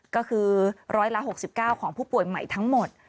ก็คือร้อยล้านหกสิบเก้าของผู้ป่วยใหม่ทั้งหมด